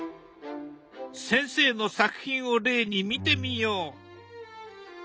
先生の作品を例に見てみよう。